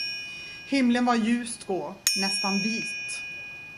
Himlen var ljust grå, nästan vit.